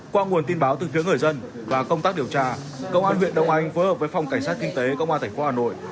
qua nguồn tin báo từ phía người dân và công tác điều tra công an huyện đông anh phối hợp với phòng cảnh sát kinh tế công an tp hà nội